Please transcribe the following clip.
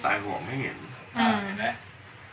อ่าเห็นไหม